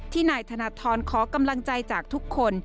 นายธนทรขอกำลังใจจากทุกคน